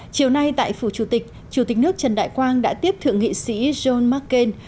chiều nay tại phủ chủ tịch chủ tịch nước trần đại quang đã tiếp thượng nghị sĩ john mccain